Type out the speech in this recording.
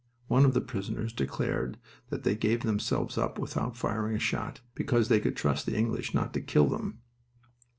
One of the prisoners declared that they gave themselves up without firing a shot, because they could trust the English not to kill them.